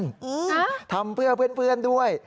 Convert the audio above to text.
อืมทำเพื่อเพื่อนด้วย